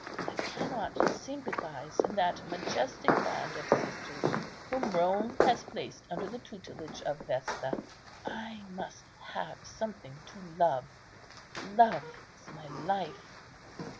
I cannot sympathize in that majestic band of sisters whom Rome has placed under the tutelage of Vesta. I must have something to love; love is my life.